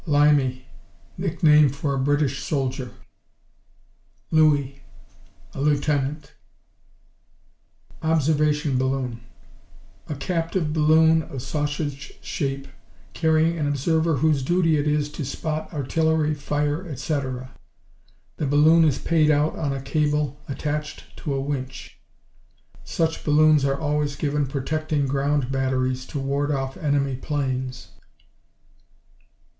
Limey Nickname for a British soldier. Looie A Lieutenant. Observation balloon A captive balloon, of sausage shape, carrying an observer whose duty it is to spot artillery fire, etc. The balloon is paid out on a cable attached to a winch. Such balloons are always given protecting ground batteries to ward off enemy planes.